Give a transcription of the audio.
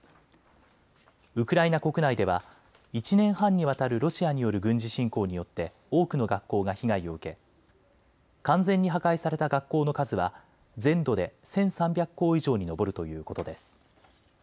ウクライナ国内では１年半にわたるロシアによる軍事侵攻によって多くの学校が被害を受け完全に破壊された学校の数は全土で１３００校以上に上るということです。